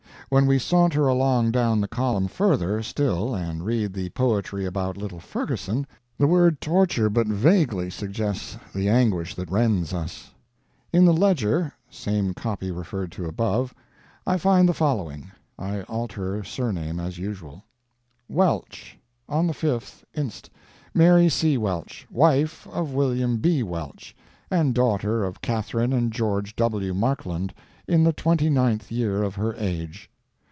When we saunter along down the column further still and read the poetry about little Ferguson, the word torture but vaguely suggests the anguish that rends us. In the _Ledger _(same copy referred to above) I find the following (I alter surname, as usual): Welch. On the 5th inst., Mary C. Welch, wife of William B. Welch, and daughter of Catharine and George W. Markland, in the 29th year of her age.